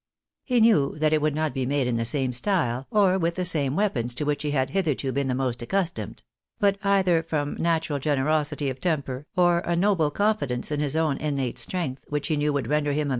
He knew that it would not be made in the same style, or with the same weapons to which he had hitherto been the most accustomed ; but, either from natural generosity of temper, or a noble confidence in his own innate strength, which he knew would render him a B 274 THE BAENABYS ITT AMERICA.